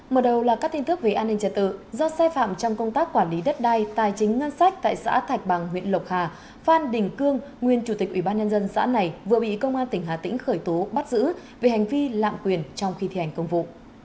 mở đầu là các tin tức về an ninh trật tự do sai phạm trong công tác quản lý đất đai tài chính ngân sách tại xã thạch bằng huyện lộc hà phan đình cương nguyên chủ tịch ủy ban nhân dân xã này vừa bị công an tỉnh hà tĩnh khởi tố bắt giữ về hành vi lạm quyền trong khi thi hành công vụ